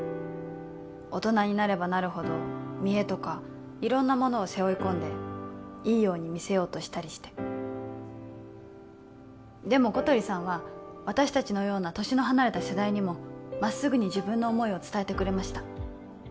大人になればなるほど見えとか色んなものを背負い込んでいいように見せようとしたりしてでも小鳥さんは私達のような年の離れた世代にもまっすぐに自分の思いを伝えてくれました